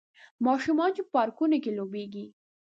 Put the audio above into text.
ماشومان چې په پارکونو کې لوبیږي